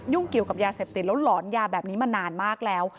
เกี่ยวกับยาเสพติดแล้วหลอนยาแบบนี้มานานมากแล้ว